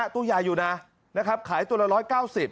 ตู้ยายอยู่นะขายตัวละ๑๙๐